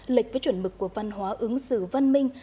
lệch với chuẩn mực của văn hóa ứng xử văn minh